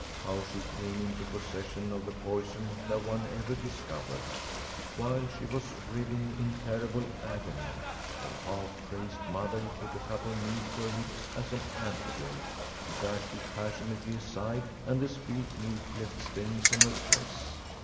How she came into possession of the poison no one ever discovered. While she was writhing in terrible agony her half crazed mother put a cup of milk to her lips as an antidote. She dashed it passionately aside and the spilt milk left stains on her dress.